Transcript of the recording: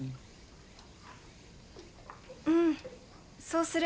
うんそうする。